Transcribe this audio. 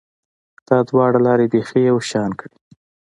دا دواړې لارې بیخي یو شان کړې